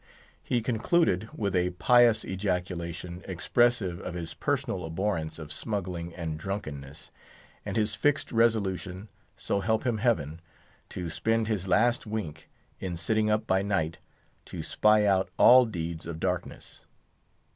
He concluded with a pious ejaculation expressive of his personal abhorrence of smuggling and drunkenness, and his fixed resolution, so help him Heaven, to spend his last wink in sitting up by night, to spy out all deeds of darkness.